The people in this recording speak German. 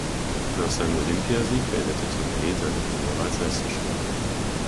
Nach seinem Olympiasieg beendete Tonelli seine Karriere als Leistungssportler.